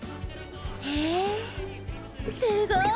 へえすごい！